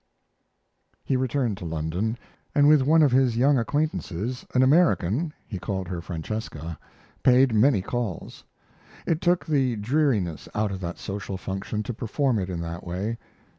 He returned to London, and with one of his young acquaintances, an American he called her Francesca paid many calls. It took the dreariness out of that social function to perform it in that way.